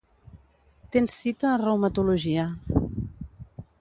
Tens cita a reumatologia.